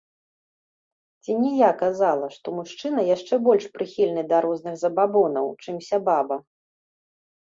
Ці ні я казала, што мужчына яшчэ больш прыхільны да розных забабонаў, чымся баба.